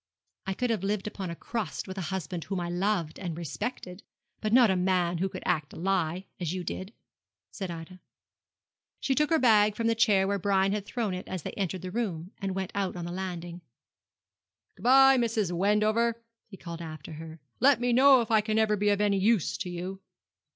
'I could have lived upon a crust with a husband whom I loved and respected; but not with a man who could act a lie, as you did,' said Ida. She took her bag from the chair where Brian had thrown it as they entered the room, and went out on the landing. 'Good bye, Mrs. Wendover,' he called after her; 'let me know if I can ever be of any use to you.'